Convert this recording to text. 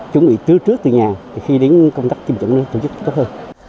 chuẩn bị trước từ nhà khi đến công tác tiêm chủng tổ chức tốt hơn